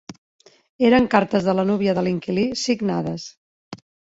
Eren cartes de la núvia de l'inquilí, signades.